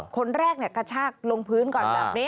คนแรกกระชากลงพื้นก่อนแบบนี้